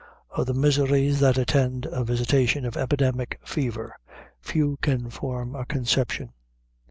Of the miseries that attend a visitation of epidemic fever, few can form a conception.